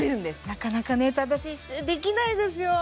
なかなかね正しい姿勢できないですよ